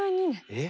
え。